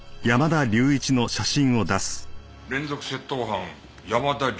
「連続窃盗犯山田隆一」